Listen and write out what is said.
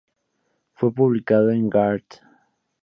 Fue publicado en "Gard.